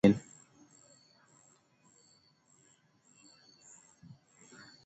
Atatuongoza hata milele